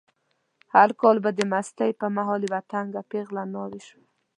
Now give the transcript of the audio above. هر کال به د مستۍ په مهال یوه تنکۍ پېغله ناوې شوه.